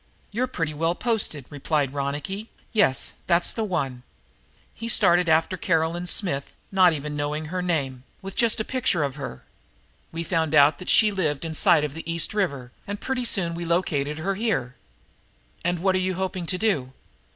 "You're pretty well posted," replied Ronicky. "Yes, that's the one. He started after Caroline Smith, not even knowing her name with just a picture of her. We found out that she lived in sight of the East River, and pretty soon we located her here." "And what are you hoping to do?"